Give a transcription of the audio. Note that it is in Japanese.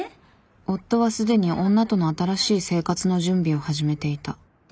夫はすでに女との新しい生活の準備を始めていた。